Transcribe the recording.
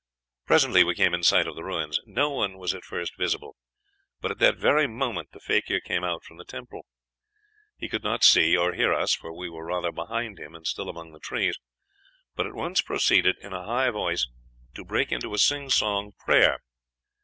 "Presently we came in sight of the ruins. No one was at first visible; but at that very moment the fakir came out from the temple. He could not see or hear us, for we were rather behind him and still among the trees, but at once proceeded in a high voice to break into a singsong prayer.